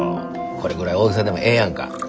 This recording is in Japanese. これぐらい大げさでもええやんか。